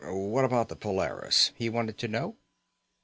"What about the Polaris?" he wanted to know.